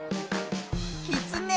きつね。